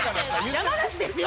山梨ですよ！